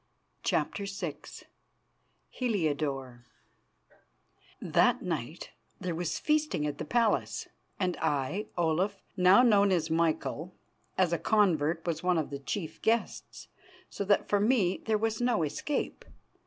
CHAPTER VI HELIODORE That night there was feasting at the palace, and I, Olaf, now known as Michael, as a convert was one of the chief guests, so that for me there was no escape.